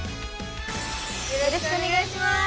よろしくお願いします！